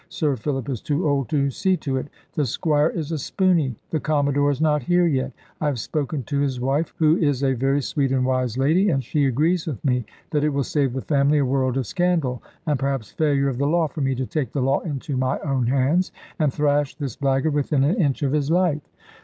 Sir Philip is too old to see to it. The Squire is a spooney. The Commodore is not here yet. I have spoken to his wife, who is a very sweet and wise lady; and she agrees with me that it will save the family a world of scandal; and perhaps failure of the law, for me to take the law into my own hands, and thrash this blackguard within an inch of his life."